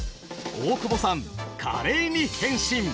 大久保さん華麗に変身。